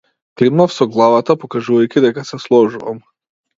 Климнав со главата, покажувајќи дека се сложувам.